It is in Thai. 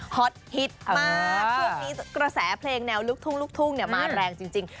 ฮอตฮิตมากทุกคนนี้กระแสเพลงแนวลุกทุ่งเนี่ยมากแรงจริง